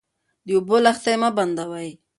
د اوبو لښتې مه بندوئ.